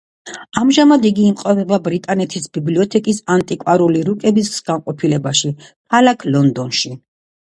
ამჟამად იგი იმყოფება ბრიტანეთის ბიბლიოთეკის ანტიკვარული რუკების განყოფილებაში ქალაქ ლონდონში.